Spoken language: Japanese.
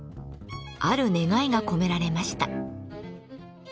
ある願いが込められました。